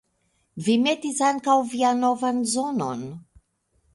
Vi metis ankaŭ vian novan zonon!